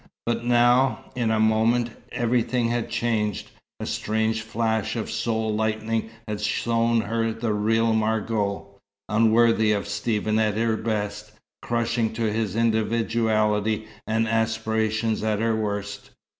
But now, in a moment, everything had changed. A strange flash of soul lightning had shown her the real Margot, unworthy of Stephen at her best, crushing to his individuality and aspirations at her worst.